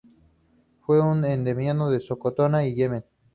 Es un endemismo de Socotra en Yemen.